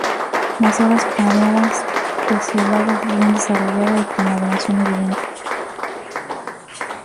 Las horas pareadas, pecioladas bien desarrollada y con la venación evidente.